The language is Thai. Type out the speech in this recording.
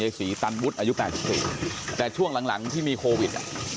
เยษีตันบุตรอายุขนาด๑๔แต่ช่วงหลังที่มีโควิด